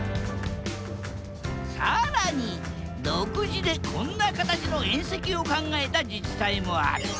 更に独自でこんな形の縁石を考えた自治体もある。